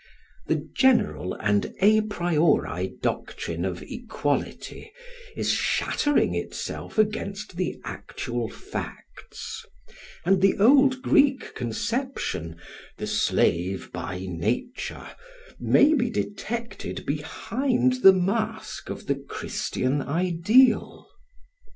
The general and a priori doctrine of equality is shattering itself against the actual facts; and the old Greek conception, "the slave by nature", may be detected behind the mask of the Christian ideal.